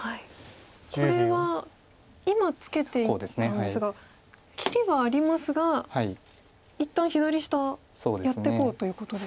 これは今ツケていったんですが切りがありますが一旦左下やっていこうということですか。